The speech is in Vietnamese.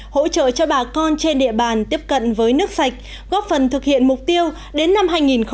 hỗ trợ cho bà con trên địa bàn tiếp cận với nước sạch góp phần thực hiện mục tiêu đến năm hai nghìn ba mươi